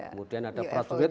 kemudian ada protoid